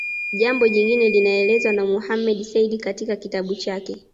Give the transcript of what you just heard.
Jambo jingine linaelezwa na Mohamed Said katika kitabu chake